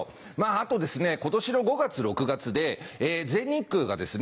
あと今年の５月６月で全日空がですね